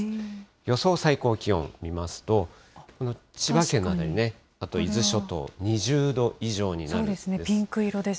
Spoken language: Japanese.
予想最高気温見ますと、千葉県の辺り、あと伊豆諸島、２０度以上になるんです。